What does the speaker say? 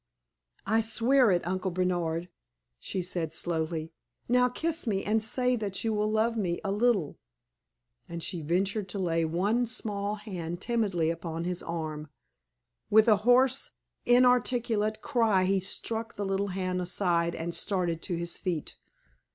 "I swear it, Uncle Bernard!" she said, slowly. "Now, kiss me, and say that you will love me a little!" And she ventured to lay one small hand timidly upon his arm. With a hoarse, inarticulate cry he struck the little hand aside and started to his feet.